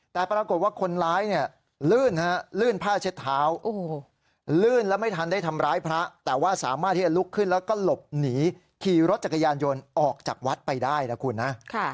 แต่ปรากฏว่าคนร้ายเนี่ยลื่นฮะลื่นผ้าเช็ดเท้าลื่นแล้วไม่ทันได้ทำร้ายพระแต่ว่าสามารถที่จะลุกขึ้นแล้วก็หลบหนีขี่รถจักรยานยนต์ออกจากวัดไปได้นะคุณนะ